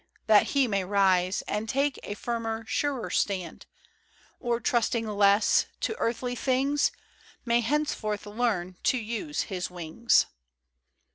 . that he may rise And take a firmer, surer stand: Or, trusting less to earthly things, May henceforth learn to use his wings.